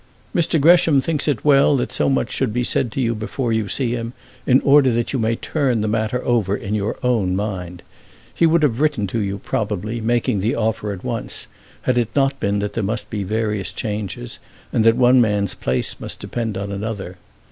"Mr. Gresham thinks it well that so much should be said to you before you see him, in order that you may turn the matter over in your own mind. He would have written to you probably, making the offer at once, had it not been that there must be various changes, and that one man's place must depend on another.